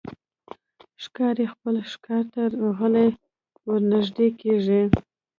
ښکاري خپل ښکار ته غلی ورنژدې کېږي.